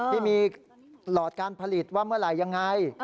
ที่มีหลอดการผลิตว่าเมื่อไหร่ยังไง